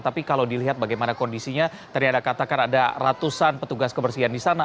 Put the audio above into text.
tapi kalau dilihat bagaimana kondisinya tadi ada katakan ada ratusan petugas kebersihan di sana